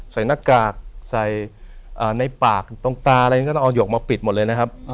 ใส่หน้ากากใส่ในปากตรงตาต้องเอาหยกมาปิดหมดเลย